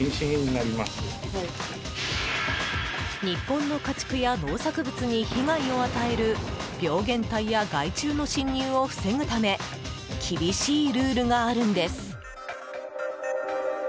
日本の家畜や農作物に被害を与える病原体や害虫の侵入を防ぐため厳しいルールがあるんです。